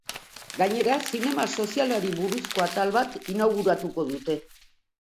Gainera, zinema sozialari buruzko atal bat inauguratuko dute.